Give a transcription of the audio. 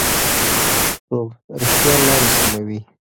رښتیا لارې سموي.